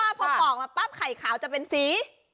ว่าพอบอกแป๊บขายขาวจะเป็นสี